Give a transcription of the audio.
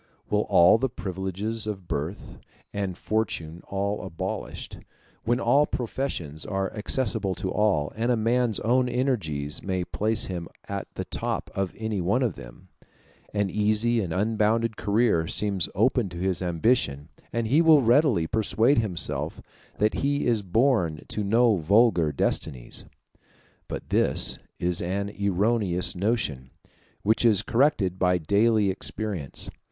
When all the privileges of birth and fortune are abolished, when all professions are accessible to all, and a man's own energies may place him at the top of any one of them, an easy and unbounded career seems open to his ambition, and he will readily persuade himself that he is born to no vulgar destinies. But this is an erroneous notion, which is corrected by daily experience.